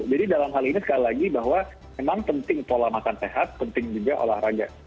jadi dalam hal ini sekali lagi bahwa memang penting pola makan sehat penting juga olahraga